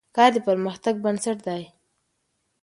کار د پرمختګ بنسټ دی.